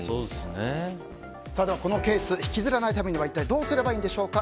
このケース引きずらないためには一体どうすればいいんでしょうか。